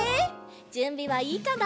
じゅんびはいいかな？